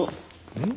うん？